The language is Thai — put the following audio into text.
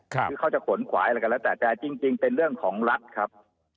คือเขาจะขนขวายอะไรก็แล้วแต่แต่จริงเป็นเรื่องของรัฐครับ